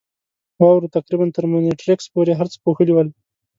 واورو تقریباً تر مونیټریکس پورې هر څه پوښلي ول.